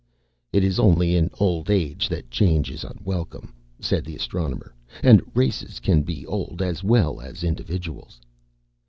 "It is only in old age that change is unwelcome," said the Astronomer, "and races can be old as well as individuals."